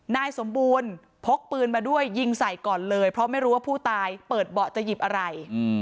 นายสมบูรณ์พกปืนมาด้วยยิงใส่ก่อนเลยเพราะไม่รู้ว่าผู้ตายเปิดเบาะจะหยิบอะไร